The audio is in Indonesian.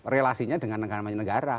relasinya dengan negara negara